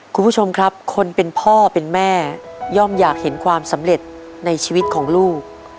คุณผู้ชมครับคนเป็นพ่อเป็นแม่ย่อมอยากเห็นความสำเร็จในชีวิตของลูก